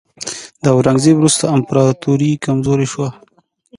د اورنګزیب وروسته امپراتوري کمزورې شوه.